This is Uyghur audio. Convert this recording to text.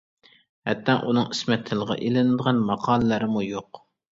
ھەتتا ئۇنىڭ ئىسمى تىلغا ئېلىنىدىغان ماقالىلەرمۇ يوق.